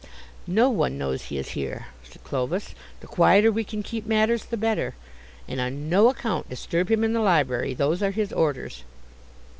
"No one knows he is here," said Clovis; "the quieter we can keep matters the better. And on no account disturb him in the library. Those are his orders."